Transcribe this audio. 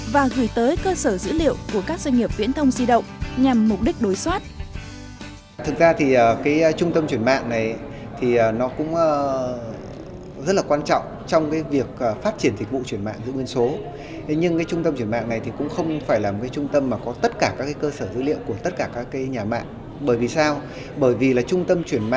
và gửi tới cơ sở dữ liệu của các doanh nghiệp viễn thông di động nhằm mục đích đối soát